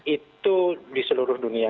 itu di seluruh dunia